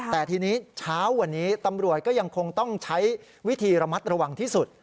แต่ทีนี้เช้าวันนี้ตำรวจก็ยังคงต้องใช้วิธีระมัดระวังที่สุด